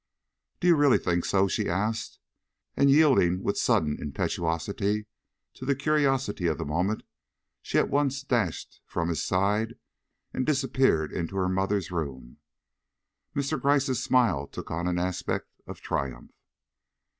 "Do you really think so?" she asked; and yielding with sudden impetuosity to the curiosity of the moment, she at once dashed from his side and disappeared in her mother's room. Mr. Gryce's smile took on an aspect of triumph.